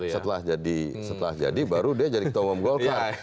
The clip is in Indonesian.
setelah jadi baru dia jadi ketua umum golkar